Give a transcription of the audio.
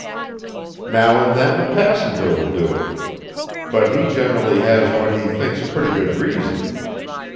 Now and then a passenger will do it, but he generally has what he thinks a pretty good reason.